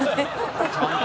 ちゃんと。